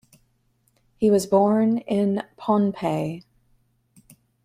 He was born in Pohnpei.